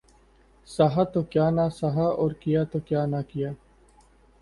سہا تو کیا نہ سہا اور کیا تو کیا نہ کیا